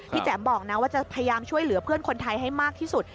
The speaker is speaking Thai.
แจ๋มบอกนะว่าจะพยายามช่วยเหลือเพื่อนคนไทยให้มากที่สุด